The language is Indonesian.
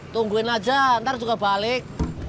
tungguin aja ntar juga balik